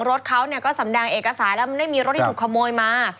รถเขาก็สำแดงเอกสารแล้วมันไม่มีรถที่ถูกขโมยมา